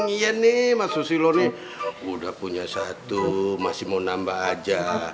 iya nih mas susilo nih udah punya satu masih mau nambah aja